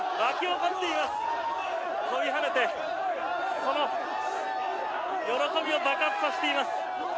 飛び跳ねてその喜びを爆発させています。